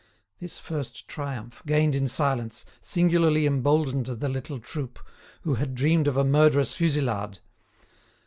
This first triumph, gained in silence, singularly emboldened the little troop, who had dreamed of a murderous fusillade.